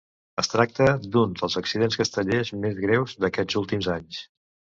Es tracta d’un dels accidents castellers més greus d’aquests últims anys.